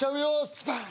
スパーン！